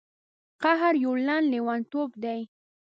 قهر یو لنډ لیونتوب دی.